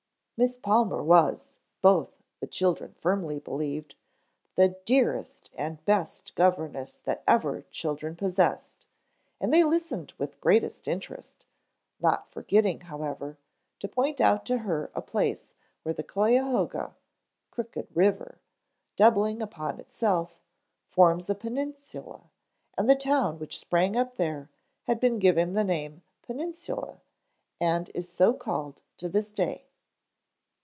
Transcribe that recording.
Miss Palmer was, both the children firmly believed, the dearest and beet governess that ever children possessed and they listened with the greatest interest, not forgetting, however, to point out to her a place where the Cuyahoga (Crooked River), doubling upon itself, forms a peninsula and the town which sprang up there had been given the name Peninsula and is so called to this day.